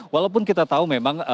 walaupun kita tahu memang